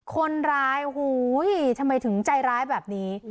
คนร้ายโอ้โหทำไมถึงใจร้ายแบบนี้